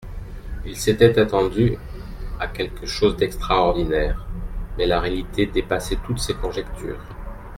Il s'était attendu à quelque chose d'extraordinaire, mais la réalité dépassait toutes ses conjectures.